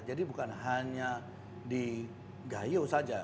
jadi bukan hanya di gayo saja